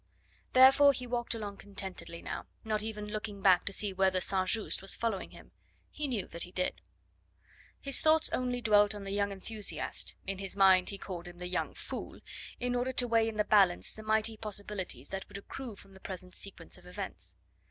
Therefore he walked along contentedly now, not even looking back to see whether St. Just was following him. He knew that he did. His thoughts only dwelt on the young enthusiast in his mind he called him the young fool in order to weigh in the balance the mighty possibilities that would accrue from the present sequence of events.